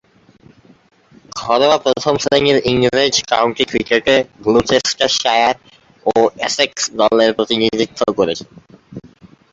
ঘরোয়া প্রথম-শ্রেণীর ইংরেজ কাউন্টি ক্রিকেটে গ্লুচেস্টারশায়ার ও এসেক্স দলের প্রতিনিধিত্ব করেছেন।